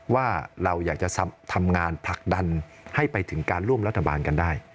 ว่าเราอยากจะทำงานผลักดันให้ไปถึงการร่วมรัฐบาลกันได้